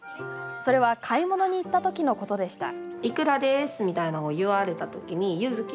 それは買い物に行ったときのことでした。